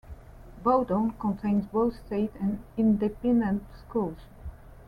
Bowdon contains both state and independent schools.